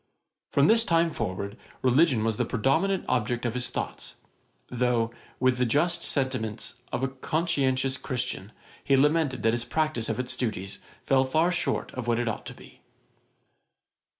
From this time forward religion was the predominant object of his thoughts; though, with the just sentiments of a conscientious Christian, he lamented that his practice of its duties fell far short of what it ought to be.